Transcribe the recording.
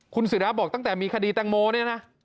คุณศิราบอกตั้งแต่มีคดีแตงโมเนี่ยนะ